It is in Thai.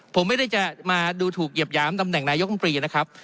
ผมไม่ได้จะมาดูถูกเหยียบหยามตำแหน่งนายกรรมตรีนะครับ